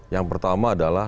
yang pertama adalah